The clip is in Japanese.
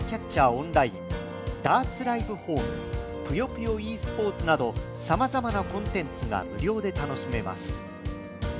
オンラインダーツライブホームぷよぷよｅスポーツなどさまざまなコンテンツが無料で楽しめます。